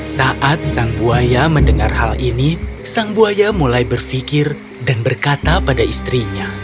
saat sang buaya mendengar hal ini sang buaya mulai berpikir dan berkata pada istrinya